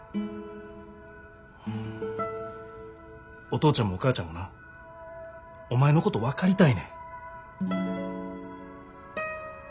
お父ちゃんもお母ちゃんもなお前のこと分かりたいねん。